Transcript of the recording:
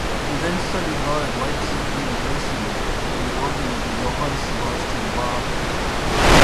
He then studied law at Leipzig University and the organ under Johann Sebastian Bach.